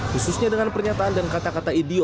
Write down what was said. khususnya dengan pernyataan dan kata kata idio